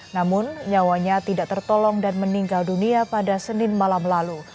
namun nyawanya tidak tertolong dan meninggal dunia pada senin malam lalu